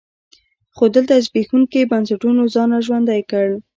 خو دلته زبېښونکي بنسټونو ځان را ژوندی کړ.